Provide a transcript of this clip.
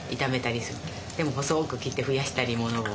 でも細く切って増やしたりものを。